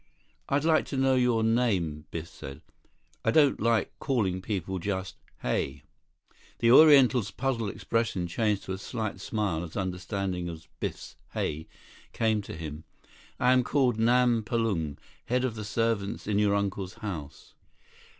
"I'd like to know your name," Biff said. "I don't like calling people just 'hey.'" The Oriental's puzzled expression changed to a slight smile as understanding of Biff's "hey" came to him. "I am called Nam Palung, head of the servants in your uncle's house."